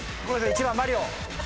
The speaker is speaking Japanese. １番マリオ。